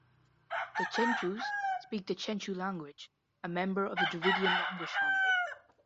The Chenchus speak the Chenchu language, a member of the Dravidian language family.